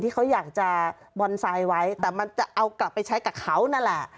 ที่เขาอยากจะบอนไซต์ไว้แต่มันจะเอากลับไปใช้กับเขานั่นแหละ